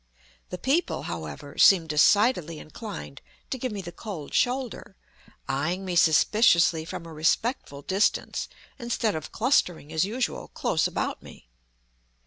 The people, however, seem decidedly inclined to give me the cold shoulder, eying me suspiciously from a respectful distance, instead of clustering, as usual, close about me.